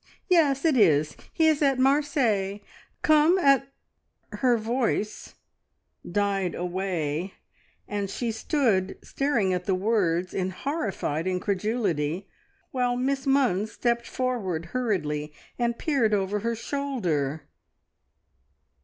"Yes, it is! He is at Marseilles. `Come at '" Her voice died away, and she stood staring at the words in horrified incredulity, while Miss Munns stepped forward hurriedly, and peered over her shoulder.